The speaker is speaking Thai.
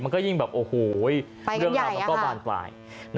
มันก็ยิ่งแบบโอ้โหเรื่องราวมันก็บานปลาย